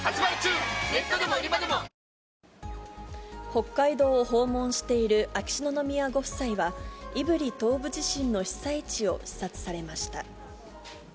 北海道を訪問している秋篠宮ご夫妻は、胆振東部地震の被災地を視察されました。